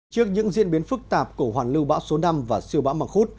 trước những diễn biến phức tạp của hoàn lưu bão số năm và siêu bão mạc khút